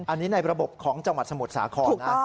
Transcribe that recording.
อันนี้ในระบบของจังหวัดสมุทรสาครนะ